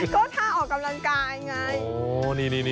ก็ท่าออกกำลังกายไง